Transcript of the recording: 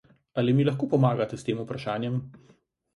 Ali mi lahko pomagate s tem vprašanjem?